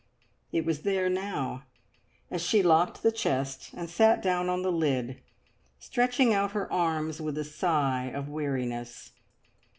It was there now as she locked the chest and sat down on the lid, stretching out her arms with a sigh of weariness.